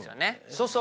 そうそう。